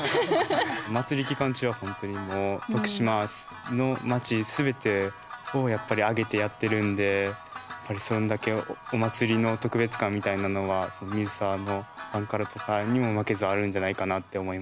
祭り期間中は本当に徳島の町全てをやっぱり挙げてやってるんでやっぱりそれだけお祭りの特別感みたいなのは水沢のバンカラとかにも負けずあるんじゃないかなって思いますね。